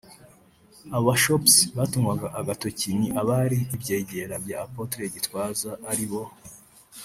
Abo Bashops batungwaga agatoki ni abari ibyegera bya Apotre Gitwaza ari bo